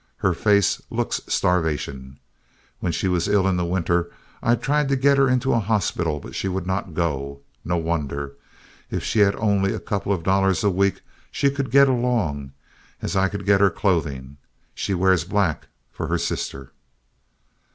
Her face looks starvation. When she was ill in the winter, I tried to get her into a hospital; but she would not go, and no wonder. If she had only a couple of dollars a week she could get along, as I could get her clothing. She wears black for her sister."